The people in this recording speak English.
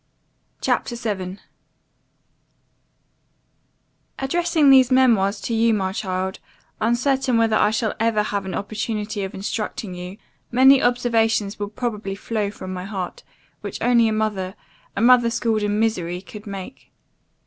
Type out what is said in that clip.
CHAPTER 7 "ADDRESSING these memoirs to you, my child, uncertain whether I shall ever have an opportunity of instructing you, many observations will probably flow from my heart, which only a mother a mother schooled in misery, could make.